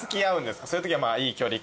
そういうときはいい距離感で。